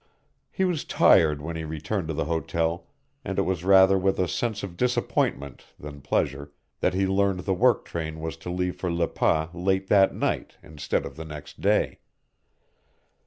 He was tired when he returned to the hotel and it was rather with a sense of disappointment than pleasure that he learned the work train was to leave for Le Pas late that night instead of the next day.